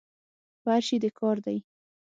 په هر شي دي کار دی.